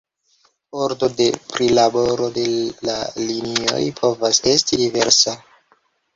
Ordo de prilaboro de la linioj povas esti diversa.